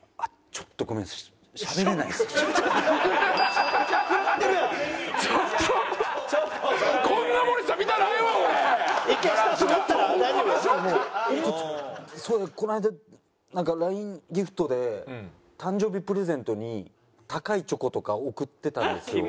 ちょっとこの間なんかＬＩＮＥギフトで誕生日プレゼントに高いチョコとか贈ってたんですよ。